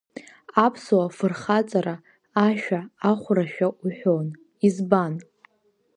Аԥсуа фырхаҵара ашәа Ахәрашәа уҳәон, избан?